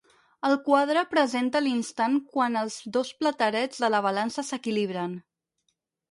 El quadre presenta l'instant quan els dos platerets de la balança s'equilibren.